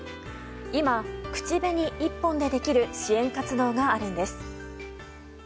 今、口紅１本でできる支援活動があるんです。